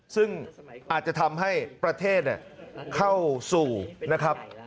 ซึ่งอาจจะทำให้ประเทศเข้าสู่นะครับ